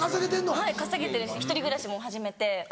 はい稼げてるし１人暮らしも始めて。